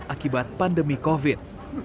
akibat pandemi covid sembilan belas